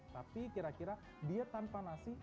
tapi kira kira diet tanpa nasi